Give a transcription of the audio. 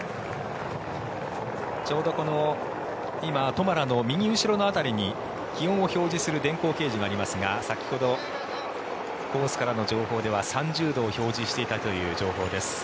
ちょうどこの今トマラの右後ろの辺りに気温を表示する電光掲示がありますが先ほどコースからの情報では３０度を表示していたという情報です。